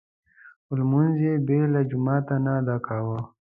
خو لمونځ يې بې له جماعته نه ادا کاوه.